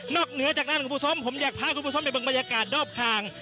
เหนือจากนั้นคุณผู้ชมผมอยากพาคุณผู้ชมไปบึงบรรยากาศรอบคาง